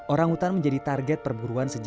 orang biasa seperti dikasih edp juga negro dan yeejo